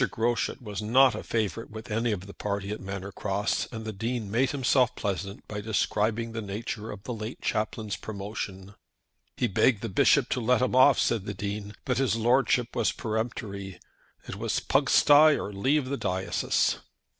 Groschut was not a favourite with any of the party at Manor Cross, and the Dean made himself pleasant by describing the nature of the late chaplain's promotion. "He begged the Bishop to let him off," said the Dean, "but his Lordship was peremptory. It was Pugsty or leave the diocese."